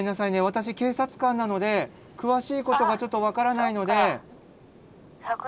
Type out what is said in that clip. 私警察官なので詳しいことがちょっと分からないので。